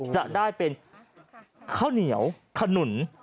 จะได้เป็นข้าวเหนียวขนุน